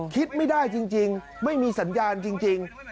คิดไม่ได้จริงไม่มีสัญญาณจริง